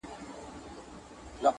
د فرهادي فکر څښتن تاته په تا وايي,